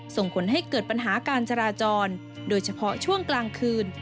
ส่งผลให้เกิดปัญหาการจราจรโดยเฉพาะช่วงกลางคืน